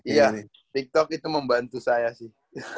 iya tiktok itu membantu saya sih